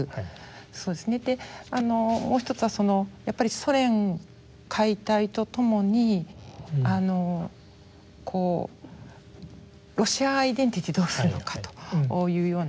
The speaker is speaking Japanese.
そうですねもう一つはやっぱりソ連解体と共にロシアアイデンティティーどうするのかというような問題になりました。